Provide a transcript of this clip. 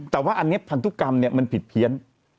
แต่ว่าอันนี้พันธุกรรมมันผิดเพี้ยน